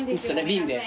瓶で。